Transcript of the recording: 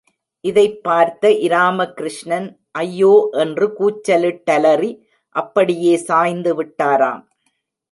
இதைப் பார்த்த இராம கிருஷ்ணன், ஐயோ என்று கூச்சலிட்டலறி அப்படியே சாய்ந்து விட்டாராம்.